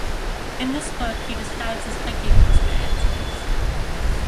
In this book he describes his hiking experiences.